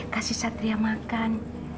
kasih sabria makan